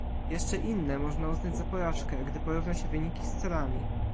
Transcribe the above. Jeszcze inne można uznać za porażkę, gdy porówna się wyniki z celami